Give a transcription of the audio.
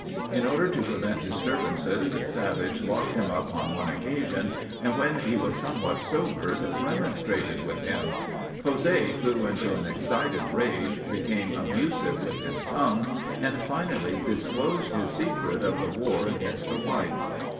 In order to prevent disturbances Savage locked him up on one occasion and when he was somewhat sobered remonstrated with him. José flew into an excited rage, became abusive with his tongue, and finally disclosed his secret of the war against the whites.